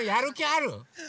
ある！